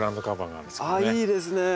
ああいいですね！